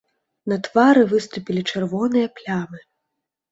На твары выступілі чырвоныя плямы.